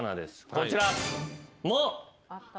こちら。